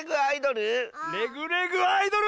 「レグ・レグ・アイドル」？